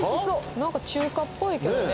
なんか中華っぽいけどね。